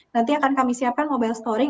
nanti akan kami siapkan mobile storing